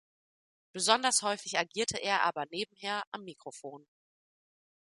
Besonders häufig agierte er aber nebenher am Mikrofon.